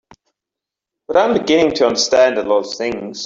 But I'm beginning to understand a lot of things.